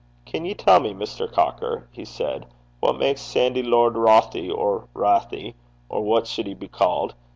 'Can ye tell me, Mr. Cocker,' he said, 'what mak's Sandy, Lord Rothie, or Wrathy, or what suld he be ca'd?